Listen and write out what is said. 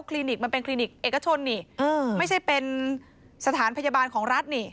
นิกมันเป็นคลินิกเอกชนนี่ไม่ใช่เป็นสถานพยาบาลของรัฐนี่